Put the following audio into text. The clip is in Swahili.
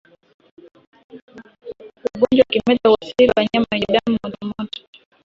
Ugonjwa wa kimeta huathiri wanyama wenye damu motomoto